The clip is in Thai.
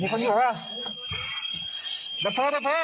มีคนอยู่หรือเปล่า